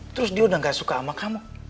terus dia udah gak suka sama kamu